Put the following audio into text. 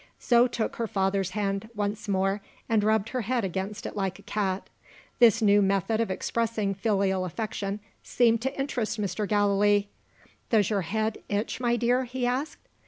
Zo took her father's hand once more, and rubbed her head against it like a cat. This new method of expressing filial affection seemed to interest Mr. Gallilee. "Does your head itch, my dear?" he asked.